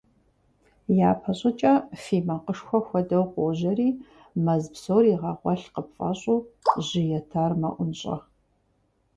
Япэ щӀыкӀэ фий макъышхуэ хуэдэу къожьэри, мэз псор игъэгъуэлъ къыпфӀэщӀу, жьы етар мэӀунщӀэ.